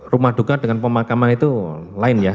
rumah duka dengan pemakaman itu lain ya